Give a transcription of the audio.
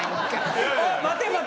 待て待て。